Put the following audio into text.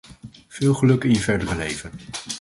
Veel geluk in je verdere leven.